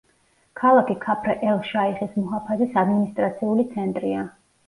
ქალაქი ქაფრ-ელ-შაიხის მუჰაფაზის ადმინისტრაციული ცენტრია.